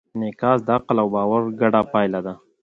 انعکاس د عقل او باور ګډه پایله ده.